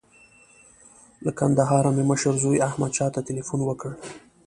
له کندهاره مې مشر زوی احمدشاه ته تیلفون وکړ.